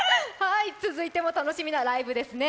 続いても楽しみなライブですね。